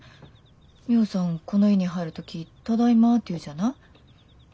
ミホさんこの家に入る時「ただいま」って言うじゃない？